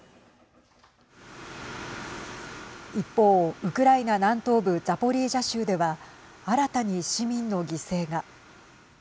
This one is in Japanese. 一方、ウクライナ南東部ザポリージャ州では新たに市民の犠牲が。